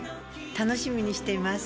楽しみにしています。